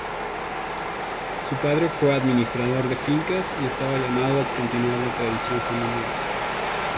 Su padre fue administrador de fincas y estaba llamado a continuar la tradición familiar.